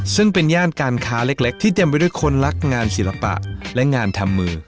ซึ่งเป็นย่านการค้าเล็กที่เต็มไปด้วยคนรักงานศิลปะและงานทำมือ